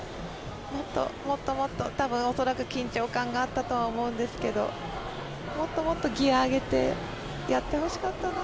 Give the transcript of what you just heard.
もっともっとたぶん恐らく緊張感があったとは思うんですけどもっともっと、ギア上げてやってほしかったな。